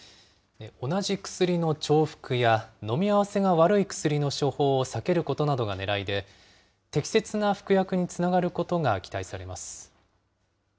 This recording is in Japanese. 同じ薬の重複や飲み合わせが悪い薬の処方を避けることなどがねらいで、適切な服薬につながることが期待されます。